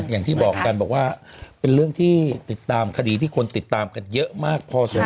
อย่างที่บอกกันบอกว่าเป็นเรื่องที่ติดตามคดีที่คนติดตามกันเยอะมากพอสมค